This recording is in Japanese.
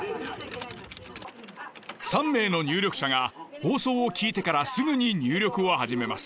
３名の入力者が放送を聞いてからすぐに入力を始めます。